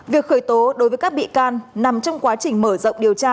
việc khởi tố đối với các bị can nằm trong quá trình mở rộng điều tra